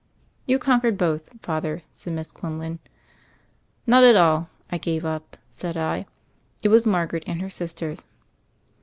"You conquered both, Father," said Miss Quinlan. "Not at all; I gave up," said I. 'It was Margaret and her sisters."